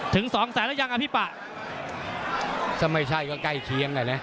ถึงสองแสนแล้วยังอ่ะพี่ป่ะถ้าไม่ใช่ก็ใกล้เคียงแหละน่ะ